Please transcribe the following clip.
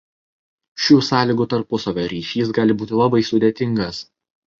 Šių sąlygų tarpusavio ryšys gali būti labai sudėtingas.